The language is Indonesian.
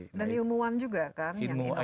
dan ilmuwan juga kan yang inovator